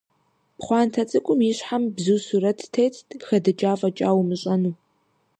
Пхъуантэ цӀыкӀум и щхьэм бзу сурэт тетт, хэдыкӀа фӀэкӀа умыщӀэну.